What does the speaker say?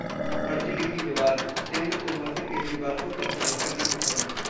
फर्जी डिग्री विवाद: जितेंद्र तोमर ने केजरीवाल को पत्र लिखकर दी सफाई